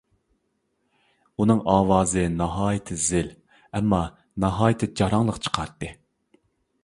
ئۇنىڭ ئاۋازى ناھايىتى زىل، ئەمما ناھايىتى جاراڭلىق چىقاتتى.